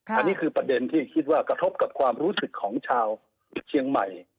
อันนี้คือประเด็นที่คิดว่ากระทบกับความรู้สึกของชาวเชียงใหม่